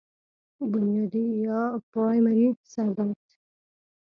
بنيادي يا پرائمري سر درد